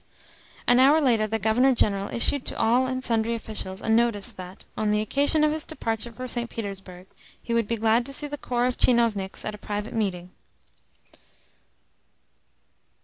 An hour later the Governor General issued to all and sundry officials a notice that, on the occasion of his departure for St. Petersburg, he would be glad to see the corps of tchinovniks at a private meeting.